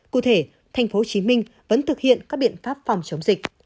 cụ thể tp hcm vẫn thực hiện các biện pháp phòng chống dịch